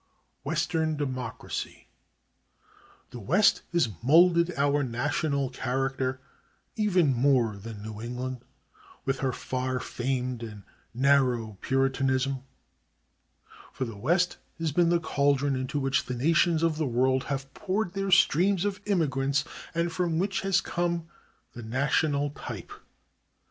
Western Democracy. The West has moulded our national character even more than New England with her far famed and narrow Puritanism; for the West has been the cauldron into which the nations of the world have poured their streams of immigrants and from which has come the national type.